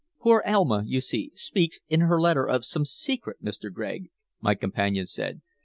"Poor Elma, you see, speaks in her letter of some secret, Mr. Gregg," my companion said.